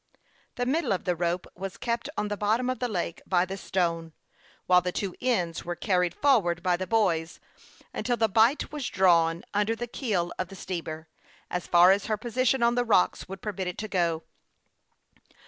The middle of the rope was kept on the bottom of the lake by the stone, while the two ends were carried forward by the boys until the bight was drawn under the keel of the steamer, as far as her position on the rocks would permit it. to go.